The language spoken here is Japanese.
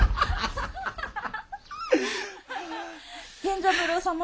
源三郎様。